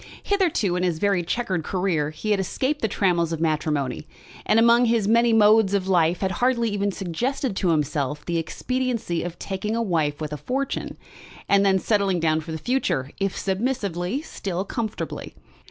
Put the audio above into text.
Hitherto in his very chequered career he had escaped the trammels of matrimony, and among his many modes of life had hardly even suggested to himself the expediency of taking a wife with a fortune, and then settling down for the future, if submissively, still comfortably.